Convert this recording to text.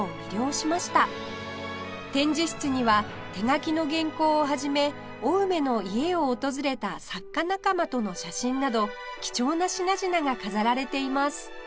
展示室には手書きの原稿を始め青梅の家を訪れた作家仲間との写真など貴重な品々が飾られています